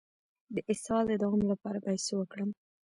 د اسهال د دوام لپاره باید څه وکړم؟